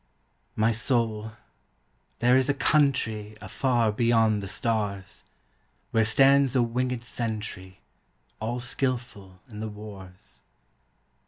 My soul, there is a country Afar beyond the stars, Where stands a wingèd sentry, All skilful in the wars.